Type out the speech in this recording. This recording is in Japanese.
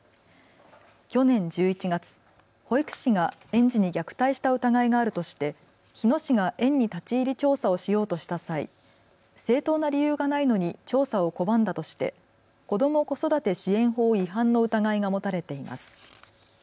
去年１１月、保育士が園児に虐待した疑いがあるとして日野市が園に立ち入り調査をしようとした際、正当な理由がないのに調査を拒んだとして子ども・子育て支援法違反の疑いが持たれています。